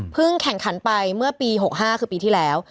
แข่งขันไปเมื่อปี๖๕คือปีที่แล้ว